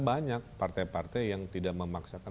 banyak partai partai yang tidak memaksakan